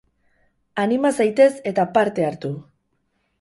Anima zaitez, eta parte hartu!